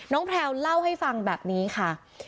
แพลวเล่าให้ฟังแบบนี้ค่ะ